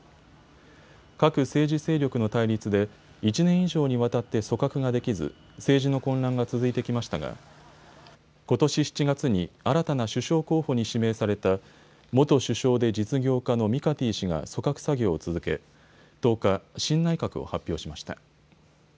各政治勢力の対立で１年以上にわたって組閣ができず政治の混乱が続いてきましたがことし７月に新たな首相候補に指名された元首相で実業家のミカティ氏が組閣作業を続け１０日、新内閣を発表しました。